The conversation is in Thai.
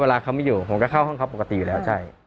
เวลาเขาไม่อยู่ผมก็เข้าห้องเขาปกติอยู่แล้วใช่